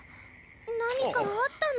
何かあったの？